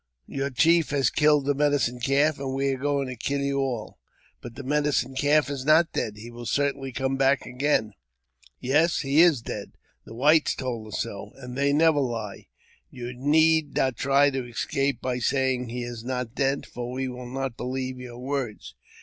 Your chief has killed the Medicine Calf, and we are going to kill you all." " But the Medicine Calf is not dead ; he will certainly come back again." " Yes, he is dead. The whites told us so, and they never lie. You need not try to escape by saying he is not dead, for we will not believe your words.